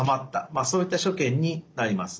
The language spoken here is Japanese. まあそういった所見になります。